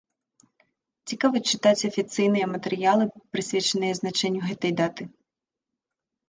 Цікава чытаць афіцыйныя матэрыялы, прысвечаныя значэнню гэтай даты.